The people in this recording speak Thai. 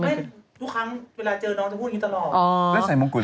ไม่ทุกครั้งเวลาเจอน้องจะพูดอย่างนี้ตลอด